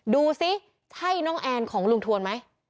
ดูสิใช่น้องแอนของลุงทวนไหม